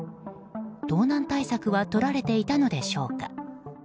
盗難対策はとられていたのでしょうか。